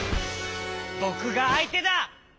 ぼくがあいてだ！